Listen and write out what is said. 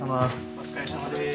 お疲れさまです。